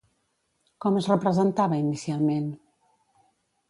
Com es representava inicialment?